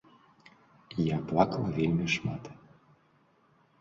Я плакала вельмі шмат.